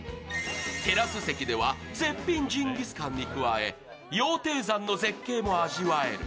テラス席では絶品ジンギスカンに加え、羊蹄山の絶景も味わえる。